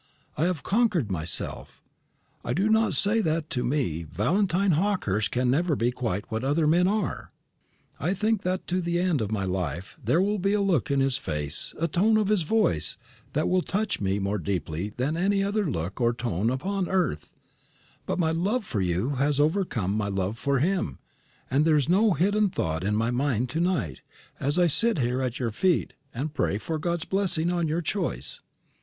I have conquered myself. I do not say that to me Valentine Hawkehurst can ever be quite what other men are. I think that to the end of my life there will be a look in his face, a tone of his voice, that will touch me more deeply than any other look or tone upon earth; but my love for you has overcome my love for him, and there is no hidden thought in my mind to night, as I sit here at your feet, and pray for God's blessing on your choice."